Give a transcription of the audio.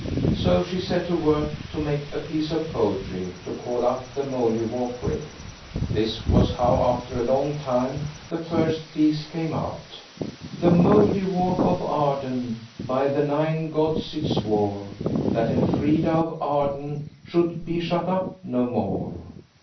So she set to work to make a piece of poetry to call up the Mouldiwarp with. This was how, after a long time, the first piece came out– "'The Mouldiwarp of Arden By the nine gods it swore That Elfrida of Arden Should be shut up no more.